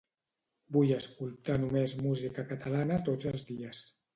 Vull escoltar només música catalana tots els dies.